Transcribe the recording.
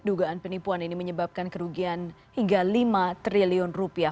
dugaan penipuan ini menyebabkan kerugian hingga lima triliun rupiah